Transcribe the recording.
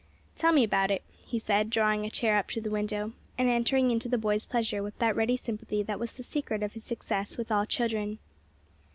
"Tell me about it," he said, drawing a chair up to the window, and entering into the boy's pleasure with that ready sympathy that was the secret of his success with all children.